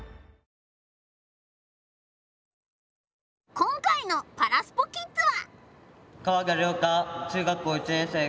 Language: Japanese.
今回のパラスポキッズは！